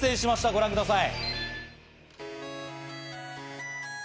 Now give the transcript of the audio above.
ご覧ください。